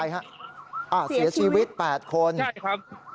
ใช่ฮะอ่าเสียชีวิตแปดคนใช่ครับ